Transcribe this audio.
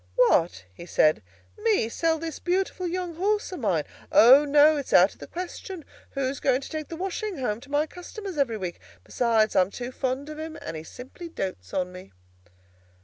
"What?" he said, "me sell this beautiful young horse of mine? O, no; it's out of the question. Who's going to take the washing home to my customers every week? Besides, I'm too fond of him, and he simply dotes on me."